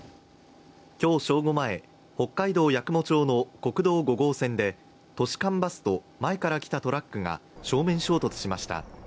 今日正午前、北海道八雲町の国道５号線で、都市間バスと、前から来たトラックが正面衝突しました。